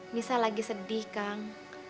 nisa lagi sedih kang